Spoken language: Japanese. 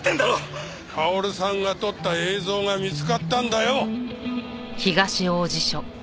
薫さんが撮った映像が見つかったんだよ！